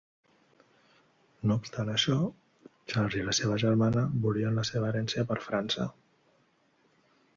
No obstant això, Charles i la seva germana volien la seva herència per França.